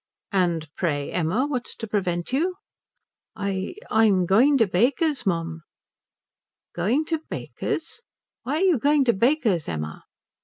"And pray, Emma, what is to prevent you?" "I I'm going to Baker's, mum." "Going to Baker's? Why are you going to Baker's, Emma?"